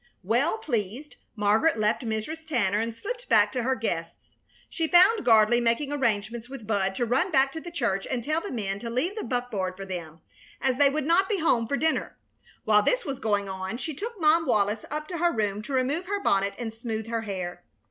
Well pleased, Margaret left Mrs. Tanner and slipped back to her guests. She found Gardley making arrangements with Bud to run back to the church and tell the men to leave the buckboard for them, as they would not be home for dinner. While this was going on she took Mom Wallis up to her room to remove her bonnet and smooth her hair.